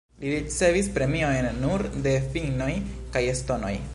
Li ricevis premiojn nur de finnoj kaj estonoj.